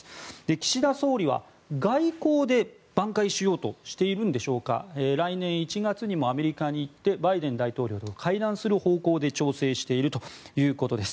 岸田総理は外交でばん回しようとしているんでしょうか来年１月にもアメリカに行ってバイデン大統領と会談する方向で調整しているということです。